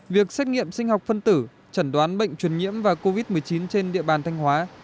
việc xét nghiệm sinh học phân tử chẩn đoán bệnh truyền nhiễm và covid một mươi chín trên địa bàn thanh hóa